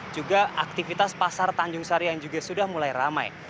juga aktivitas pasar tanjung sari yang juga sudah mulai ramai